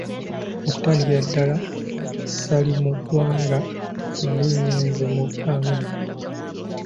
Okutandikira ddala, saali mu ggwanga nali ngenze mu Amerika.